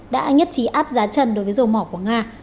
đã nhất trí áp giá trần đối với dầu mỏ của nga